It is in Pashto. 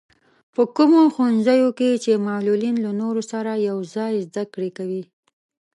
په کومو ښوونځیو کې چې معلولين له نورو سره يوځای زده کړې کوي.